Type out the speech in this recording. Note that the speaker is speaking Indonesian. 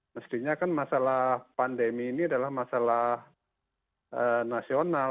mestinya kan masalah pandemi ini adalah masalah nasional